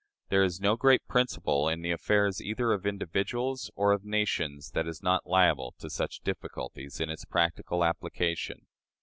There is no great principle in the affairs either of individuals or of nations that is not liable to such difficulties in its practical application.